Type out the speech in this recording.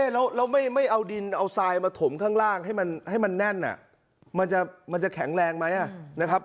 แล้วไม่เอาดินเอาทรายมาถมข้างล่างให้มันแน่นมันจะแข็งแรงไหมนะครับ